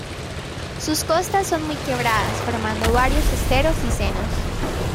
Sus costas son muy quebradas formando varios esteros y senos.